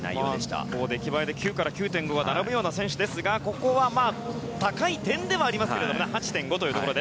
出来栄えで９から９．５が並ぶような選手ですがここでは高い得点ではありますが８．５というところ。